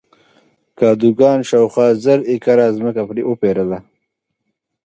کادوګان شاوخوا زر ایکره ځمکه وپېرله.